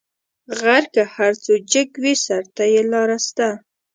غر که هر څو جګ وي؛ سر ته یې لار سته.